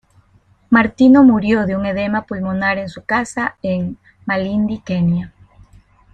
Martino murió de un edema pulmonar en su casa en Malindi, Kenia.